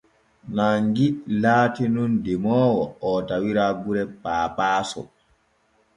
Nangi laati nun demoowo o tawira gure Paapaaso.